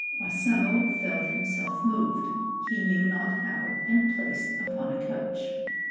Wassamo felt himself moved, he knew not how, and placed upon a couch.